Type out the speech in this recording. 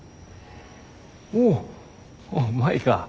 おう舞か。